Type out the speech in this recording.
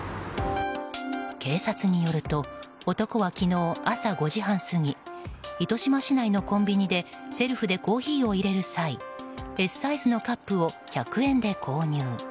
警察によると男は昨日朝５時半過ぎ糸島市内のコンビニでセルフでコーヒーを入れる際Ｓサイズのカップを１００円で購入。